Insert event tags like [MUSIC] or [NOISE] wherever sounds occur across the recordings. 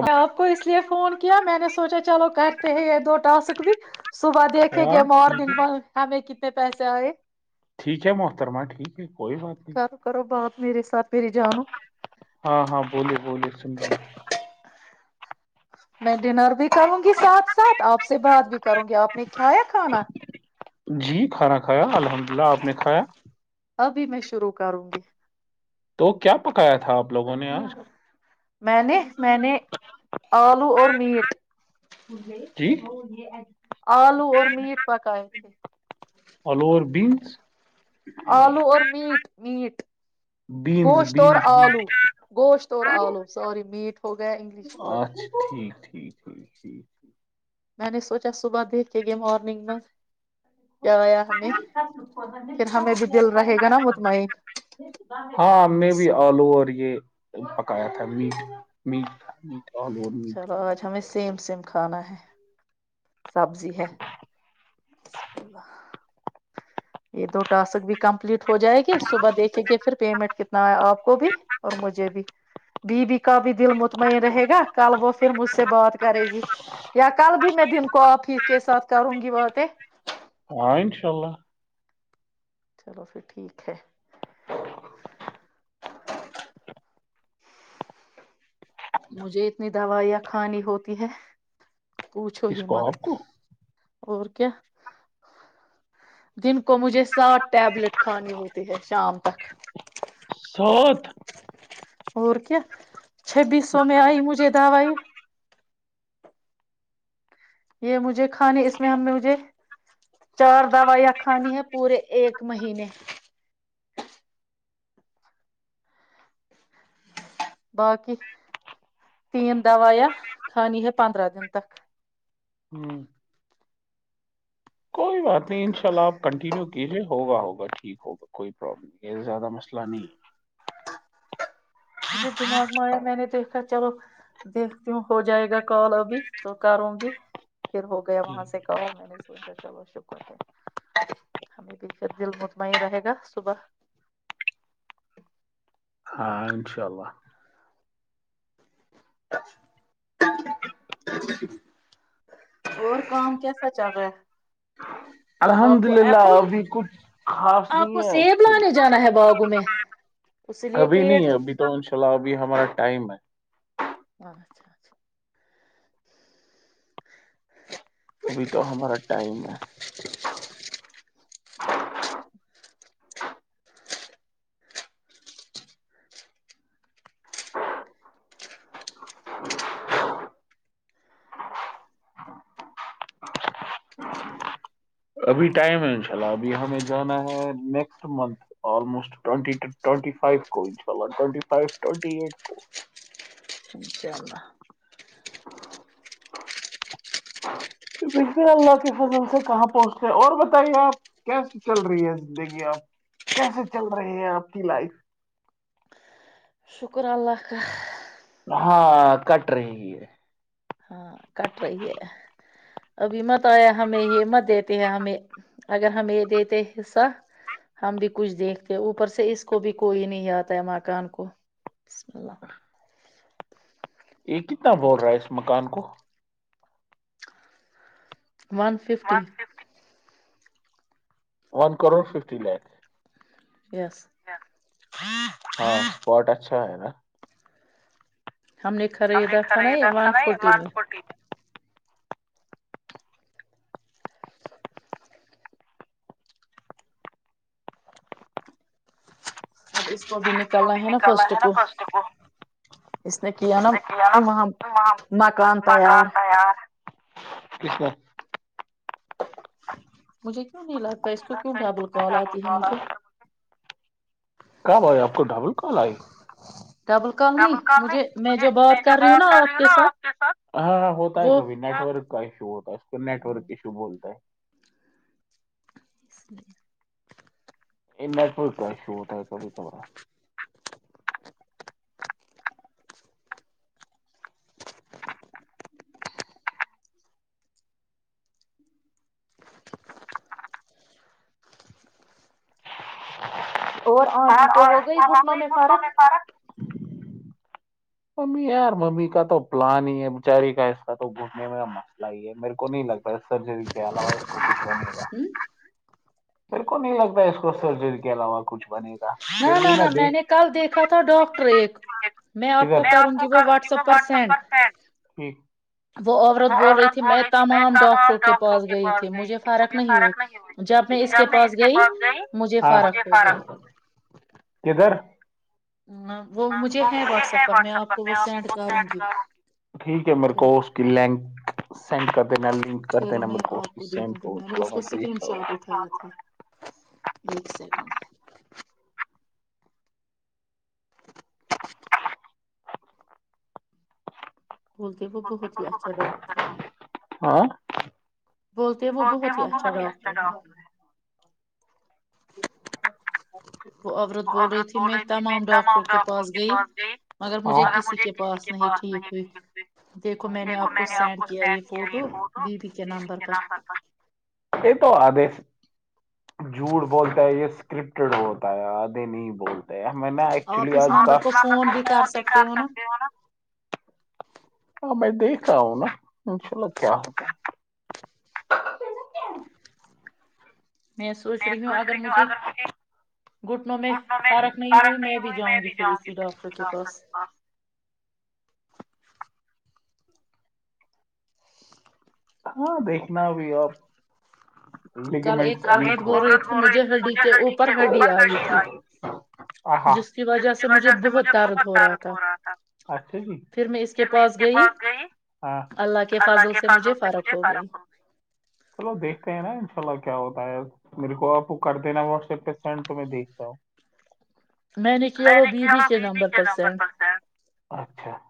ہ آپ کو اس لیے فون کیا میں نے سوچا چلو کرتے ہی یہ دو ٹسک بھی صبح دیکھیں گے مارننگ میں ہمیں کتنی پیسے آئے کرو کرو بات میرے ساتھ میری جانو ہاں ہاں بولیے بولیے سن رہا ہوں میں ڈنر بھی کروں گی ساتھ ساتھ آپ سے بات بھی کروں گی آپ نے جی کھانا کھایا الحمد للہ آپ نے کھایا ابھی میں شروع کروں گی تو کیا پکایا تھا آپ لوگوں نے آج؟ میں نے میں نے آلو اور میٹ جٹییک یہ آلو اور میٹ پکائے تھے جچ [UNINTELLIGIBLE] آلو اور میٹ میٹ گوشتور آلو گوشت ت اورور آلو ساری میٹ اچھا ٹھیک ٹھیک جی سی یھ [UNINTELLIGIBLE] میں نے سوچا صبح دیکھ کے گئے مارننگ م ہاں مے بی آل اوور یہ پکایا تھا میٹ میٹ تھا میٹ چھوج ہمیں سیم سیم کھانا ہے سبزی ہے یہ دو ٹاسک بھی کمپلیٹ ہو جائے گی صبح دیکھیں گے پھر پیمنٹ کتنا ہے آپ کو بھی اور مجھے بھی بی بھی کا بھی دل مطمئن رہے گا کل وہ پھر مجھ سے بات کرے گی یا کل بھی میں دن کو آپ ہیف کے ساتھ کروں گی باتیں چلو پھر ٹھیک ہے مجھے اتنی دوائیاں کھانی ہوتی ہے پوچھو ہی مت اور کیا دن کو مجھے سات ٹیبلٹ کھانی ہوتی ہے شام تک پت [UNINTELLIGIBLE] اور کیا چھبیس سو میں آئی مجھے دوائی یہ مجھے کھانے اس میں ہم نے مجھے چار دوائیاں کھانی ہے پورے ایک مہینے باقی تین دوائیاں کھانی ہے پندرہ دن تک کوئی بات نہیں ان شاء اللہ آپ کنٹینیو کیجیے ہوگا ہوگا ہوا ٹھیک ہوگ کوئی پرابلم نہیں زیادہ مسئلہ نہیں مجھے دماغ میں آئے میں نے تو ا چلو دیکھتی ہوں ہو جائے گا کال ابھی تو کروں بھی پھر ہو گیا وہاں سے کہا میں نے چلو شکر ہے ہمیں بھی دل مطمئن رہے گا صبح [UNINTELLIGIBLE] ہاں انشاء اللہ اور کام کیسا چل رہا ہے [UNINTELLIGIBLE] الحمد للہ ابھی کچھ خاص نہیں ہےھر ابھی نہیں ہے ابھی تو ان شاء اللہ ابھی ہمارا ٹائم ہے اچھا اچھا [UNINTELLIGIBLE] ابھی ٹائم ہے ان شاء اللہ ابھی ہمیں جانا ہے نیکسٹ منتھ آلموسٹٹ ف کو اناءلہ ٹ ف ٹ ایٹ کو انشاء اللہ [UNINTELLIGIBLE] بن اللہ کے فضل سے کہاں پہنچتے ہیں اور بتائیے آپ کیسے چل رہی ہے زندگی آپ کیسے چل رہے ہیں آپ کی لائف [UNINTELLIGIBLE] شکر اللہ کااں ہاں کٹ رہے گی ہے [UNINTELLIGIBLE] [UNINTELLIGIBLE] یہ کتنا بول رہا ہے اس مکان کو one fifty one crore fifty lakh س [UNINTELLIGIBLE] ہاں اسپٹ اچھا ہے نا [UNINTELLIGIBLE] ہم نے خریدا تھا ن ون فورٹی ت [UNINTELLIGIBLE] جچی [UNINTELLIGIBLE] اس کو بھی نکالنا ہے نا فسٹ کو اس نے کیا نا وہ مکان تیار [UNINTELLIGIBLE] کسنا [UNINTELLIGIBLE] مجھے کیوں نہیں لگتا [UNINTELLIGIBLE] اس کو کیوں ڈبل کال آتی ہے مجھے ڈبل کال نہیں مجھے میں جو بات کر رہی ہوں نا آپ کے ساتھ وہ [UNINTELLIGIBLE] اس لیے [UNINTELLIGIBLE] ا نہ پ کا شوتا ہے کبھی کمرا [UNINTELLIGIBLE] [INAUDIBLE] اور آنٹیھی کو ہو گئی گھٹنوں میں فرق ممی یار ممی کا تو پلان ہی ہے بچاری کا اس کا تو گھومنے میںا مسئلہ ہی ہے میرے کو نہیں لگتا سرجری کے علاوہ ہوں [UNINTELLIGIBLE] [UNINTELLIGIBLE] میر کو نہیں لگتا اس کو سرجری کے علاوہ کچھ بنے [UNINTELLIGIBLE] نہ نہ نہ میں نے کل دیکھا تھا ڈاکٹر ایک میں آپ کو کروں گی وہ واٹسپ پر سینڈ وہ عورت بول رہی تھی میں تمام ڈاکٹروں کے پاس گئی تھی مجھے فرق نہیں ہوئی جب میں اس کے پاس گئی مجھے فرق ہو گئی کدھر ین ٹھیک ہے م کو لک سینڈ کرتےاک کراین [UNINTELLIGIBLE] بولتے وہ بہت ہی اچھا ڈاکٹر ہے اورک وہ بہت ہی اچھا ڈاکٹر ہے [UNINTELLIGIBLE] وہ عورت بول رہی تھی میں تمام ڈاکٹروں کے پاس گئی مگر مجھے کسی کے پاس نہیں ٹھیک ہوئی دیکھو میں نے آپ کو سینڈ کیا یہ فوٹو بی بیی کے نمبر پر [UNINTELLIGIBLE] جھوڑ بولتا ہے یہ اسکرپٹ [UNINTELLIGIBLE] ڑ ہوتا یادے نہیں بول [UNINTELLIGIBLE] ایکچولی ف بھی کر سا [UNINTELLIGIBLE] ہاں میں دیکھ رہا ہوں نا انشاء اللہ کیا ہوتا [UNINTELLIGIBLE] میں سوچ رہی ہوں اگر مجھے گھٹنوں میں فارک نہیں ہوئی میں بھی جاؤں گی سریق کے ڈاکٹر کے پاس [UNINTELLIGIBLE] ہاں دیکھنابھی اور [UNINTELLIGIBLE] عت ہو رہیجھ ہی اوپر ہی آئی جس کی وجہ سے مجھے بہت طارت ہو رہا تھا اچھا جی پھر میں اس کے پاس گئی اللہ کے فضل سے مجھے فارق ہو گئی چلو دیک [UNINTELLIGIBLE] انشاء اللہ کیا ہوتا ہے ار میرے کو آپ کو کر دینا واٹسپ پہ سینڈ تو میں دیکھتا ہوں [UNINTELLIGIBLE] میں نے کیا وہ بی بی کے نمبر پر سینڈ [UNINTELLIGIBLE] اچھا [UNINTELLIGIBLE]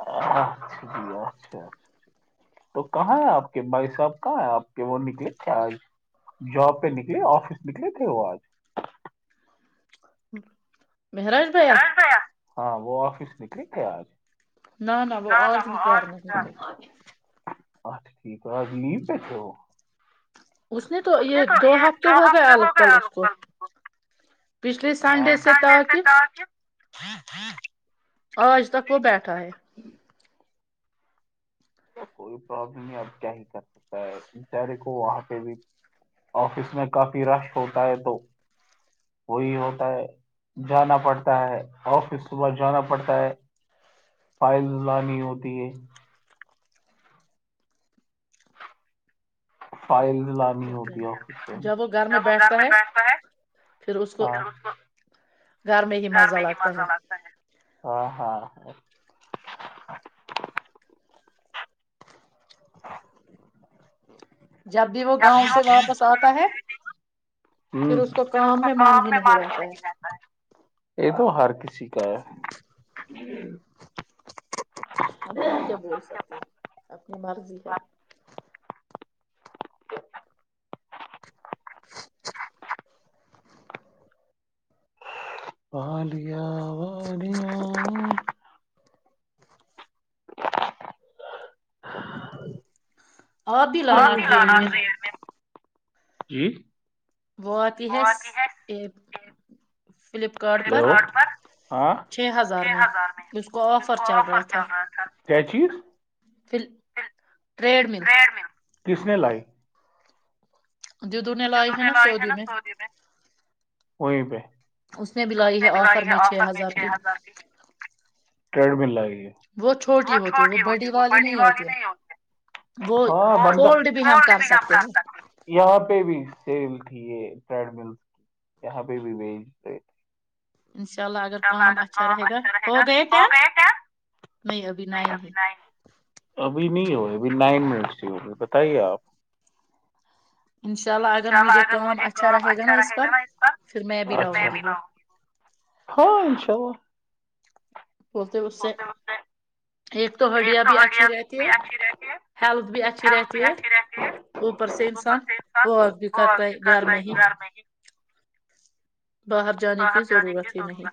اچھا جی اچھا اچھا اچھا تو کہاں ہے آپ کے بھائی صاحب کہاں ہے آپ کے وہ نکلے تھے آج جاب پہ نکلے آفس نکلے تھے وہ آج [UNINTELLIGIBLE] مہاراج پیا [UNINTELLIGIBLE] ہاں وہ آفس نکلے گے آج [UNINTELLIGIBLE] نہ نہ وہ آ [UNINTELLIGIBLE] اچھ ٹھیک آ نی پ چو [UNINTELLIGIBLE] اس نے تو یہ دو ہفتے ہو گئے اللوق پل اس کو [UNINTELLIGIBLE] پچھلے سنڈے سے ت کہ [UNINTELLIGIBLE] ہاں ہاں [UNINTELLIGIBLE] آج تک وہ بیٹھا ہے [UNINTELLIGIBLE] کوئی پرابلم اب کیا ہی کر سکتا ہے بچارے کو وہاں پہ بھی آفس میں کافی رش ہوتا ہے تو وہی ہوتا ہے جانا پڑتا ہے آفس صبح جانا پڑتا ہے فائل لانی ہوتی ہے [UNINTELLIGIBLE] فائل [UNINTELLIGIBLE] ہوتی ٹ جب وہ گھر میں بیٹھتا ہے گھر میں ہی مزہ لگتا ہے [UNINTELLIGIBLE] ہاں ہاں ہ [UNINTELLIGIBLE] [INAUDIBLE] ہ کو م ل یہ تو ہر کسی [UNINTELLIGIBLE] سییکار [UNINTELLIGIBLE] اب ہم کیا بول سکتے ہیں اپنی مرضی ہے [UNINTELLIGIBLE] بالیاں والالیاں [UNINTELLIGIBLE] آ بھی لانا ٹریڈ مل [UNINTELLIGIBLE] جی [INAUDIBLE] وات ہےس ا فلپ کارٹ پر چھ ہزار میں اس کو آفر چل رہا تھا کیا چیز [INAUDIBLE] ف ٹریڈ مل [INAUDIBLE] کس نے لائی جدو نے لائے ہے نا سعودی میں وہیں پہ [INAUDIBLE] اس نے ملائی ہے آفر میں چھ ہزار کی ٹریڈ مل لگ گی وہ چھوٹی ہوتی وہ بڑی والی نہیں ہوتی ہاں فڈ بھی ہم کر سکتے یہاں پہ بھی سیل ت یہ ٹریڈ ملس کی یہاں پہ بھی وج انشاء اللہ اگر کام اچھا رہے گا ہوگئے تان نہیں ابھی نہیں نہیں ابھی نہیں ہو ابھی نائن منٹ سے ہوگی بتائیے آپ انشاء اللہ اگر مجھے کام اچھا رہے گا نا اس پر پھر میں بھی لاؤں گی وہ ہاں انشاء اللہ بولتے اس سے [INAUDIBLE] ایک توہڈیا بھی اچھی رہتی ہے ہیلتھ بھی اچھی رہتی ہے اوپر سے انسان اک بھی کرتا ہے گھر میں ہی باہر جانے کی ضرورت ہی نہیں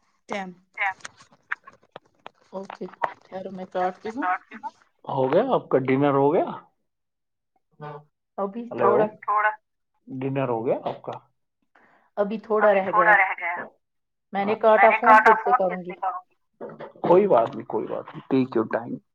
[INAUDIBLE] اچھا [INAUDIBLE] اوکے ار میں [INAUDIBLE] ہو گیا [INAUDIBLE] کا ڈنر ہو گیا ہلو [INAUDIBLE] ڈنر ہو گیا آپ کا ابھی تھوڑا رہ گیا میں نے کاٹا فون سے اس سے کروں گی [INAUDIBLE] کوئی بات نہیں کوئی بات نہیں ٹک یو ٹائک [INAUDIBLE]